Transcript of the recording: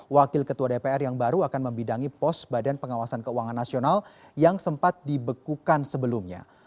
wakil ketua dpr yang baru akan membidangi pos badan pengawasan keuangan nasional yang sempat dibekukan sebelumnya